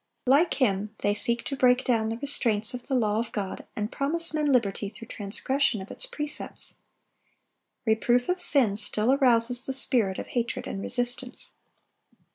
Like him they seek to break down the restraints of the law of God, and promise men liberty through transgression of its precepts. Reproof of sin still arouses the spirit of hatred and resistance.